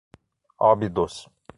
Óbidos